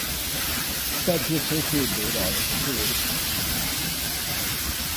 But to associate Baydar with the coup is impossible.